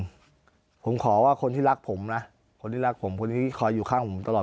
ผมขอว่าคนที่รักผมนะคนที่รักผมคนนี้คอยอยู่ข้างผมตลอด